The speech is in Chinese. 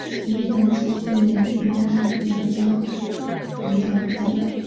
其一般栖息于泥沙底质和岩礁附近的海区以及也可生活于咸淡水或淡水水域。